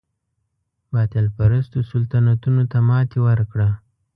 باطل پرستو سلطنتونو ته ماتې ورکړه.